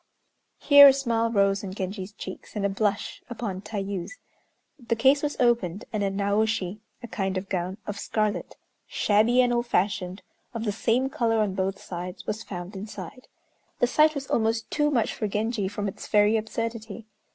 Here a smile rose on Genji's cheeks, and a blush upon Tayû's. The case was opened, and a Naoshi (a kind of gown), of scarlet, shabby and old fashioned, of the same color on both sides, was found inside. The sight was almost too much for Genji from its very absurdity.